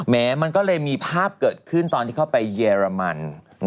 มันก็เลยมีภาพเกิดขึ้นตอนที่เข้าไปเยอรมัน